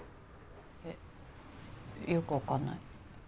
えよく分かんない。